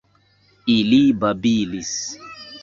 Ili babilis.